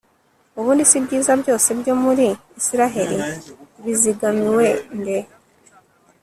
ubundi se ibyiza byose byo muri israheli bizigamiwe nde